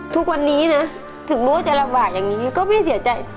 ทุกวันนี้นะถึงรู้ว่าจะลำบากอย่างนี้ก็ไม่เสียใจ